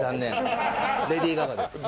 レディー・ガガですよ。